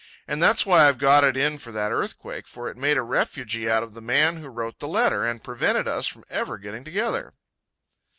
And that's why I've got it in for that earthquake, for it made a refugee out of the man who wrote the letter, and prevented us from ever getting together.